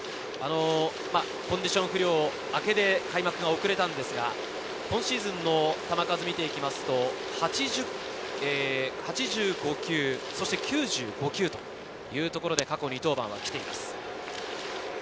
コンディション不良明けで開幕が遅れたんですが、今シーズンの球数を見ると８５球、９５球というところで過去２登板は来ています。